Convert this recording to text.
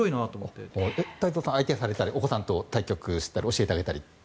太蔵さんは相手をされたりお子さんと対局をしたりとか教えてあげたりとか？